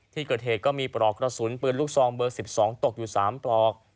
ที่เกิดเหตุก็มีปลอกกระสุนปืนลูกซองเบอร์๑๒ตกอยู่๓ปลอก